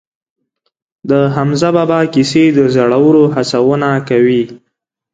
د حمزه بابا کیسې د زړورو هڅونه کوي.